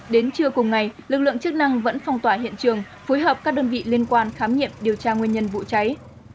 đến trưa cùng ngày lực lượng chức năng vẫn phong tỏa hiện trường phối hợp các đơn vị liên quan khám nghiệm điều tra nguyên nhân vụ cháy